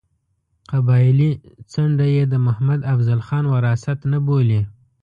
قبایلي څنډه یې د محمد افضل خان وراثت نه بولي.